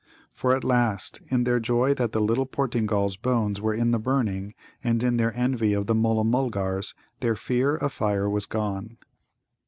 For at last, in their joy that the little Portingal's bones were in the burning, and in their envy of the Mulla mulgars, their fear of fire was gone.